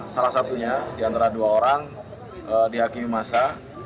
salah satunya di antara dua orang dihakimi masa